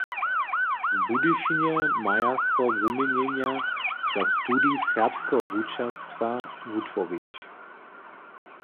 W Budyšinje maja so wuměnjenja za studij serbskeho wučerstwa wutworić.